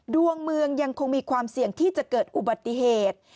ดวงเมืองยังคงมีความเสี่ยงที่จะเกิดอุบัติเหตุ